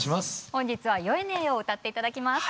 本日は「酔えねぇよ！」を歌って頂きます。